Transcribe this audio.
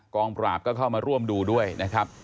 ปราบก็เข้ามาร่วมดูด้วยนะครับ